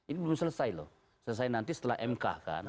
ini belum selesai loh selesai nanti setelah mk kan